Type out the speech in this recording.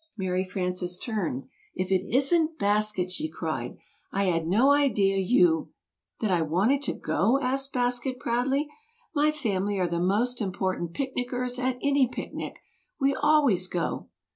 Mary Frances turned. "If it isn't Basket!" she cried. "I had no idea you " "That I wanted to go?" asked Basket proudly. "My family are the most important 'picnickers' at any picnic! We always go!"